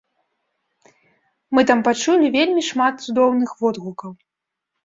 Мы там пачулі вельмі шмат цудоўных водгукаў!